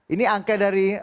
ini angka dari